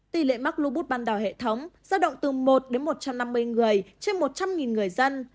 tỷ lệ mắc lưu bút bắt đỏ hệ thống ra động từ một đến một trăm năm mươi người trên một trăm linh người dân